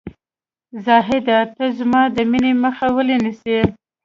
زاهده ! ته زما د مینې مخه ولې نیسې ؟